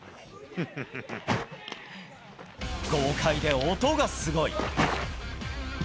豪快で音がすごい。